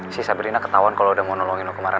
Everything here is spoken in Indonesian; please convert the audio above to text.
si sabrina ketauan kalo udah mau nolongin lo kemarin